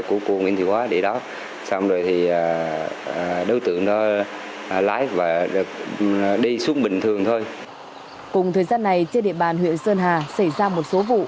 cùng thời gian này trên địa bàn huyện sơn hà xảy ra một số vụ